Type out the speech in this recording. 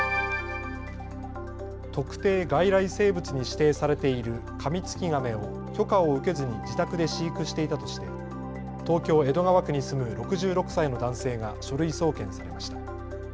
特定外来生物に指定されているカミツキガメを許可を受けずに自宅で飼育していたとして東京江戸川区に住む６６歳の男性が書類送検されました。